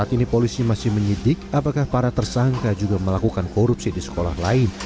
saat ini polisi masih menyidik apakah para tersangka juga melakukan korupsi di sekolah lain